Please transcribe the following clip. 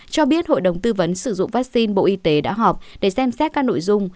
cho biết hội đồng tư vấn sử dụng vaccine bộ y tế đã họp để xem xét các nội dung